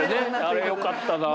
あれよかったなあ。